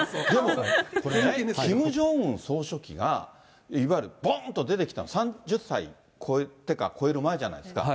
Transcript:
でも、キム・ジョンウン総書記が、いわゆる、ぼーんと出てきたのは、３０歳超えてか、超える前じゃないですか。